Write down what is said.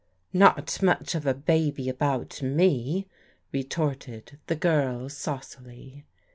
"Not much of a baby about me," retorted the girl saucily.